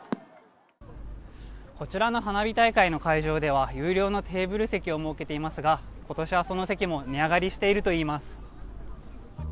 こちらの花火大会の会場では有料のテーブル席を設けていますが、今年はこの席も値上がりしているといいます。